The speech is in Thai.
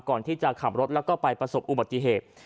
ก่อนที่จะขับรถแล้วก็ไปประสบอุบัติเหตุ